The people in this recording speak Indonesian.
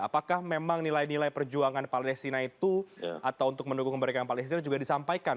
apakah memang nilai nilai perjuangan palestina itu atau untuk mendukung kemerdekaan palestina juga disampaikan